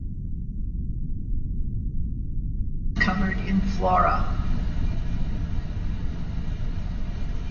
Bardufoss is covered in flora.